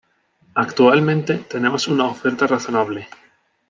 Actualmente, tenemos una oferta razonable.